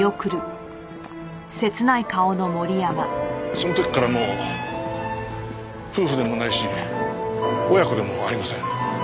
その時からもう夫婦でもないし親子でもありません。